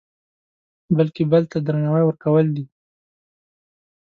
بلکې بل ته درناوی ورکول دي.